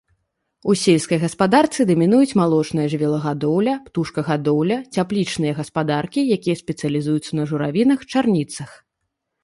У сельскай гаспадарцы дамінуюць малочная жывёлагадоўля, птушкагадоўля, цяплічныя гаспадаркі, якія спецыялізуюцца на журавінах, чарніцах.